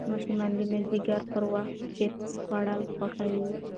ماشومان د مازدیګر پر وخت چېپس خوړل خوښوي.